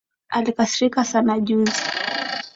Alikasirika sana juzi